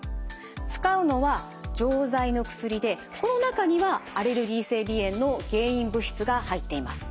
使うのは錠剤の薬でこの中にはアレルギー性鼻炎の原因物質が入っています。